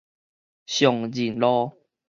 松仁路